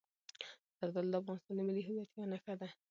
زردالو د افغانستان د ملي هویت یوه نښه ده.